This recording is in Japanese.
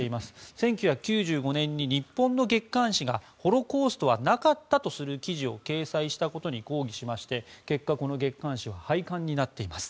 １９９５年に日本の月刊誌がホロコーストはなかったとする記事を掲載したことに抗議して結果、この月刊誌は廃刊になっています。